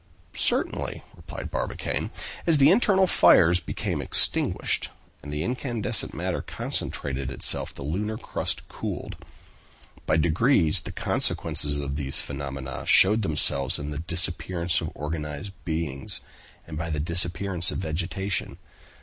"Certainly," replied Barbicane; "as the internal fires became extinguished, and the incandescent matter concentrated itself, the lunar crust cooled. By degrees the consequences of these phenomena showed themselves in the disappearance of organized beings, and by the disappearance of vegetation.